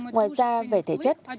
ngoài ra về thể chất